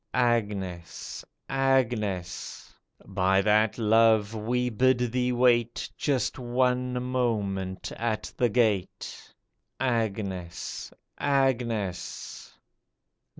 Agnes ! Agnes ! By that love we bid thee wait Just one moment at the gate ! Agnes ! Agnes